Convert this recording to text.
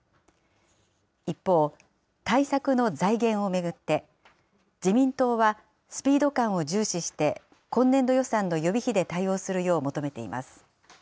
一方、対策の財源を巡って、自民党はスピード感を重視して今年度予算の予備費で対応するよう求めています。